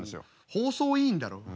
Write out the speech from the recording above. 放送委員だろ？